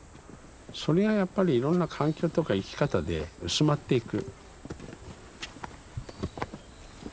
それがやっぱりいろんな環境とか生き方で薄まっていく。